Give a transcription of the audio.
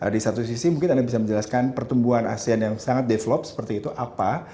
di satu sisi mungkin anda bisa menjelaskan pertumbuhan asean yang sangat develop seperti itu apa